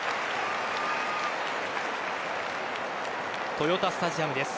豊田スタジアムです。